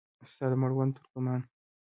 ستا د مړوند ترکمان